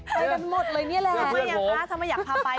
ไปกันหมดเลยเนี่ยแหละ